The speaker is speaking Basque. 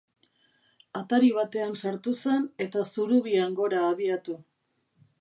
Atari batean sartu zen eta zurubian gora abiatu.